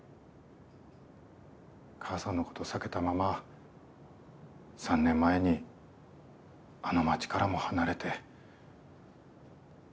母さんのこと避けたまま３年前にあの町からも離れて。